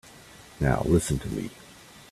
Now listen to me.